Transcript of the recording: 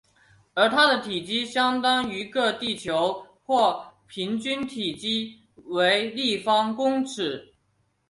而它的体积相当于个地球或平均体积为立方公尺。